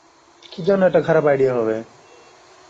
কি জন্য এটা খারাপ আইডিয়া হবে?